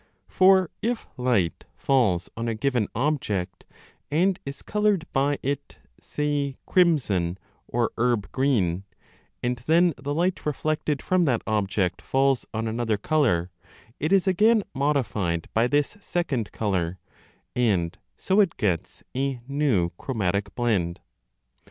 For if light falls on a given object and is coloured by it (say) crimson or herb green, and then the light reflected from that object 25 falls on another colour, it is again modified by this second colour, and so it gets a new chromatic blend.